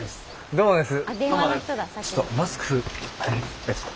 どうもです。